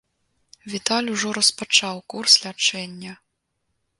Віталь ужо распачаў курс лячэння.